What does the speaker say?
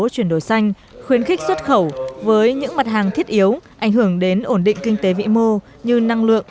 chuyển đổi xanh khuyến khích xuất khẩu với những mặt hàng thiết yếu ảnh hưởng đến ổn định kinh tế vĩ mô như năng lượng